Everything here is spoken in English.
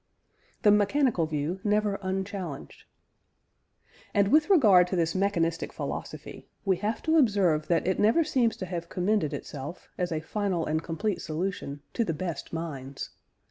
THE "MECHANICAL VIEW" NEVER UNCHALLENGED. And with regard to this mechanistic philosophy, we have to observe that it never seems to have commended itself, as a final and complete solution, to the best minds.